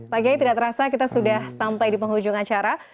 pak gaya tidak terasa kita sudah sampai di penghujung acara